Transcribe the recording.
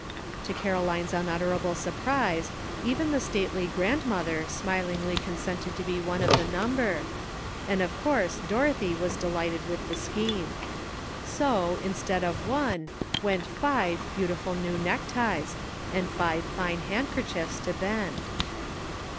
" To Caroline's unutterable surprise even the stately grandmother smilingly consented to be one of the number, and of course Dorothy was delighted with the scheme. So instead of one, went five beautiful new neckties, and five fine handkerchiefs to Ben.